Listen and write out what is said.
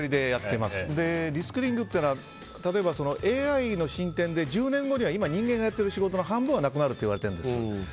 リスキリングというのは例えば、ＡＩの進展で１０年後には今、人間がやっている仕事の半分がなくなるといわれているんです。